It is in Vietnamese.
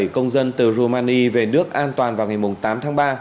hai trăm tám mươi bảy công dân từ romania về nước an toàn vào ngày tám tháng ba